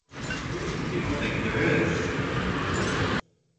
You don't think there is?